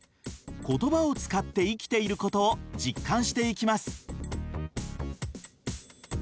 言葉を使って生きていることを実感していきます。